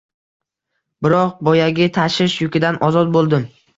Biroq, boyagi tashvish yukidan ozod bo’ldim.